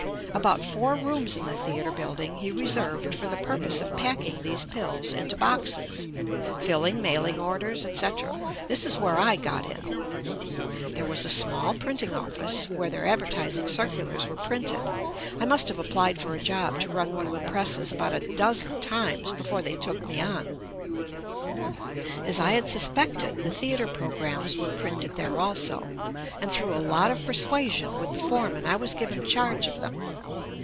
About four rooms in the theatre building he reserved for the purpose of packing these pills into boxes, filling mailing orders, etc. This is where I got in. There was a small printing office JUST ME where their advertising circulars were printed. I must have applied for a job to run one of the presses about a dozen times before they took me on. As I had suspected, the theatre programmes were printed there also, and through a lot of persuasion with the foreman I was given charge of them.